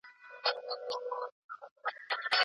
ماشومان د کاردستي له لارې د ټولنیزو اړیکو مهارت زده کوي.